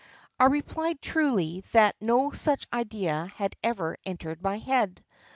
I replied truly that no such idea had ever entered my head.